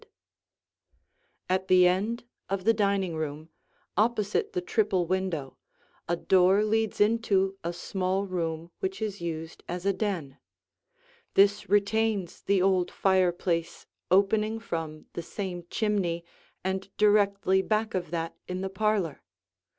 [Illustration: The Den] At the end of the dining room, opposite the triple window, a door leads into a small room which is used as a den. This retains the old fireplace opening from the same chimney and directly back of that in the parlor.